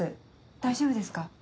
大丈夫ですか？